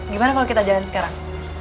gimana kalau kita jalan sekarang